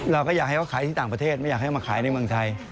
เราก็อยากให้เขาขายที่ต่างประเทศไม่อยากให้มาขายในเมืองไทย